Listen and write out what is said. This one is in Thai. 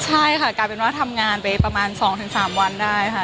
ใช่ค่ะกลายเป็นว่าทำงานไปประมาณ๒๓วันได้ค่ะ